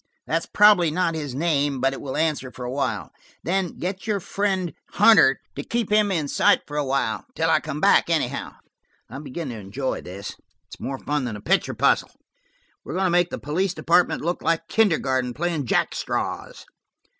That's probably not his name, but it will answer for a while. Then get your friend Hunter to keep him in sight for a while, until I come back anyhow. I'm beginning to enjoy this; it's more fun than a picture puzzle. We're going to make the police department look like a kindergarten playing jackstraws."